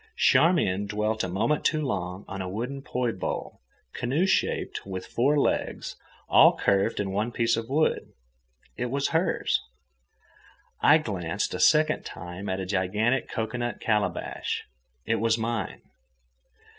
Charmian dwelt a moment too long on a wooden poi bowl, canoe shaped, with four legs, all carved in one piece of wood; it was hers. I glanced a second time at a gigantic cocoanut calabash; it was mine.